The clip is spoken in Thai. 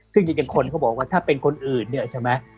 ซึ่งจริงคนเขาบอกว่าถ้าเป็นคนอื่นเนี่ยใช่ไหม